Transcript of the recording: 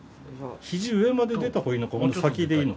ひじ上まで出たほうがいいのか先でいいのか。